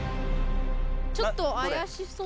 ちょっとあやしそうな。